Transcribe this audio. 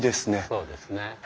そうですね。